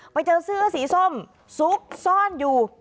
ไปเจอเสื้อสีส้มซุกซ่อนอยู่